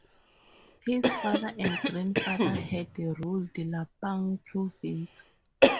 His father and grandfather had ruled Lampang Province.